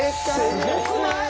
すごくない？